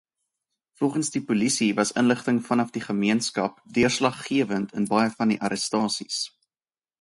Volgens die polisie was inligting vanaf die gemeenskap deurslaggewend in baie van die arrestasies.